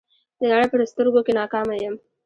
د نړۍ په سترګو کې ناکامه یم.